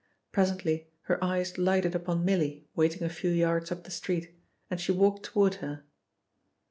Presently her eyes lighted upon Milly waiting a few yards up the street, and she walked toward her.